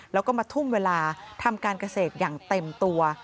แล้วก็มาทุ่มเวลาทำการเกษตรอย่างเต็มตัว